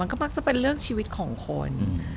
ก็มักจะเป็นเรื่องชีวิตของคน